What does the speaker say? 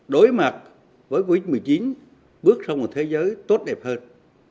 đối mặt với covid một mươi chín bước sang một thế giới tốt đẹp hơn